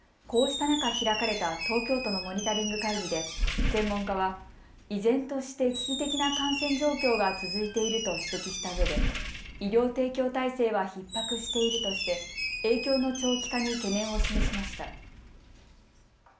こうした中、開かれた東京都のモニタリング会議で専門家は、依然として危機的な感染状況が続いていると指摘したうえで、医療提供体制はひっ迫しているとして影響の長期化に懸念を示しました。